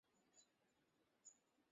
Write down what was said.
পরিচিত হয়ে ভালো লাগল!